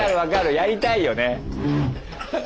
やりたいよね。